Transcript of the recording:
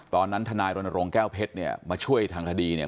เพราะว่าโรงแก้วเพชรเนี่ยมาช่วยทางคดีเนี่ย